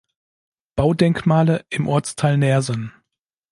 Baudenkmale im Ortsteil Neersen.